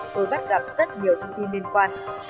tôi bắt gặp rất nhiều thông tin liên quan